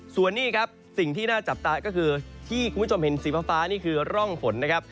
ส่วนนี้ครับสิ่งที่น่าจับตาก็คือที่คุณผู้ชมเห็นสีฟ้านี่คือร่องฝนนะครับ